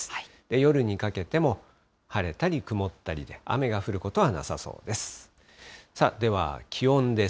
夜にかけても晴れたり曇ったりで、雨が降ることはなさそうです。